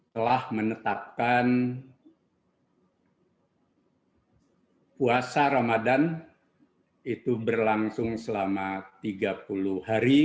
telah menetapkan puasa ramadan itu berlangsung selama tiga puluh hari